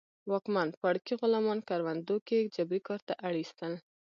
واکمن پاړکي غلامان کروندو کې جبري کار ته اړ اېستل